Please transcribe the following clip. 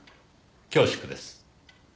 恐縮です。